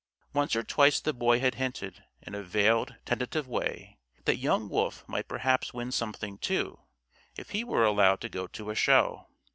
Once or twice the Boy had hinted, in a veiled, tentative way, that young Wolf might perhaps win something, too, if he were allowed to go to a show.